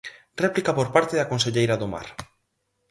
Réplica por parte da conselleira do Mar.